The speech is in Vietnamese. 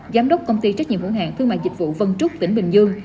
giám đốc công ty trách nhiệm hữu hạng thương mại dịch vụ vân trúc tỉnh bình dương